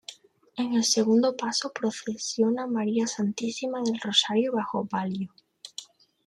En el segundo paso procesiona María Santísima del Rosario bajo palio.